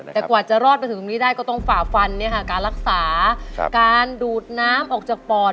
แต่กว่าจะรอดมาถึงตรงนี้ได้ก็ต้องฝ่าฟันการรักษาการดูดน้ำออกจากปอด